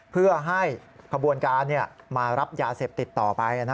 เพื่อให้ขบวนการมารับยาเสพติดต่อไป